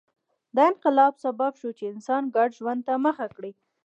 دا انقلاب سبب شو چې انسان ګډ ژوند ته مخه کړي